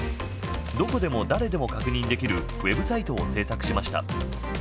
どこでも誰でも確認できるウェブサイトを制作しました。